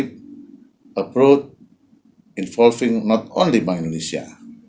yang mempengaruhi bukan hanya bank indonesia